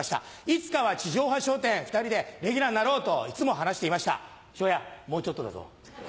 いつかは地上波『笑点』２人でレギュラーになろうといつも話していました昇也もうちょっとだぞ。